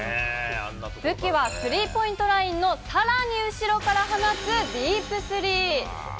武器はスリーポイントラインの、さらに後ろから放つディープスリー。